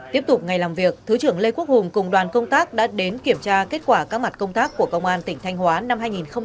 tiếp tục ngày làm việc thứ trưởng lê quốc hùng cùng đoàn công tác đã đến kiểm tra kết quả các mặt công tác của công an tỉnh thanh hóa năm hai nghìn hai mươi ba